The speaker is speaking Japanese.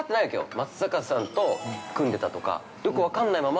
松坂さんと組んでたとかよく分かんないまま。